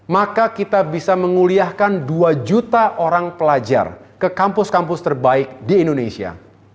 maka kita bisa menguliahkan dua juta orang pelajar ke kampus kampus terbaik di indonesia